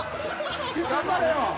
頑張れよ！